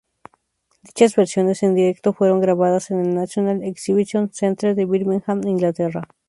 Dichas versiones en directo fueron grabadas en el National Exhibition Centre de Birmingham, Inglaterra.